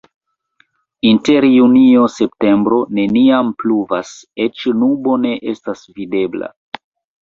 Inter junio-septembro neniam pluvas, eĉ nubo ne estas videbla.